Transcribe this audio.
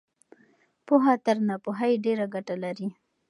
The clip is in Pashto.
پوهه تر ناپوهۍ ډېره ګټه لري.